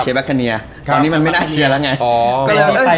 เชียร์แบคคาเนียครับตอนนี้มันไม่น่าเชียร์แล้วไงอ๋อก็เลยเอ้ย